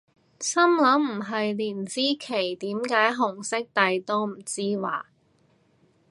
心諗唔係連支旗點解紅色底都唔知咓？